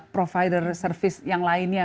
provider service yang lainnya